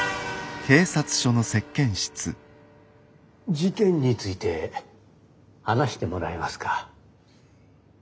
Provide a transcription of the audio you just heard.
事件について話してもらえますか？